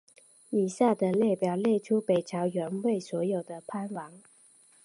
以下的列表列出北朝元魏所有的藩王。